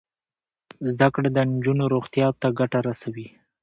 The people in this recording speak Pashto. زده کړه د نجونو روغتیا ته ګټه رسوي.